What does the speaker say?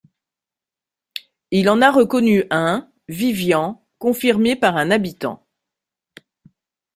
Il en a reconnu un : Vyvyan, confirmé par un habitant.